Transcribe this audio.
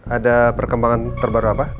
ada perkembangan terbaru apa